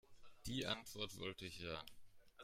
Die Antwort wollte ich hören.